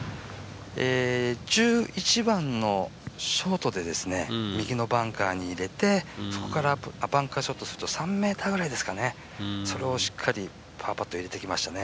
１１番のショートで右のバンカーに入れてそこからバンカーショットすると３ｍぐらいですかね、それをしっかりパーパット入れてきましたね。